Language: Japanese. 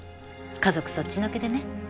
家族そっちのけでね。